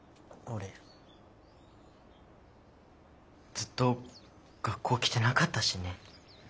ずっと学校来てなかったしね。